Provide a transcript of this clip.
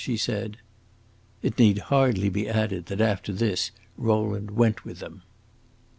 she said. It need hardly be added that after this Rowland went with them.